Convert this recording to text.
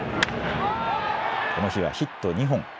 この日はヒット２本。